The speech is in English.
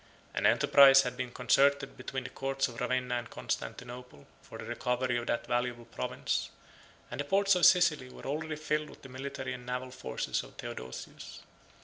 An enterprise had been concerted between the courts of Ravenna and Constantinople, for the recovery of that valuable province; and the ports of Sicily were already filled with the military and naval forces of Theodosius.